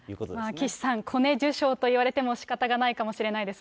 岸さん、コネ受賞と言われてもしかたがないかもしれないです